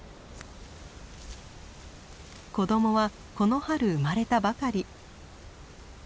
子どもはこの春生まれたばかり。